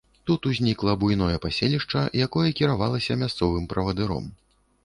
Тут узнікла буйное паселішча, якое кіравалася мясцовым правадыром.